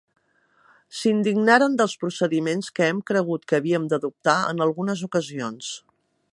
S'indignaran dels procediments que hem cregut que havíem d'adoptar en algunes ocasions.